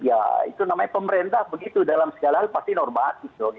ya itu namanya pemerintah begitu dalam segala hal pasti normatif